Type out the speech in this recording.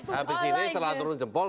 habis ini setelah turun jempol